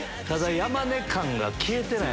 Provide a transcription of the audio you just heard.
山根感が消えてない。